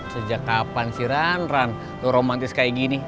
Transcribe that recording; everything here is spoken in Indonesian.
sejak kapan sih ran ran lo romantis kayak gini